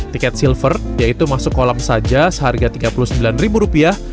tiket silver yaitu masuk kolam saja seharga tiga puluh sembilan ribu rupiah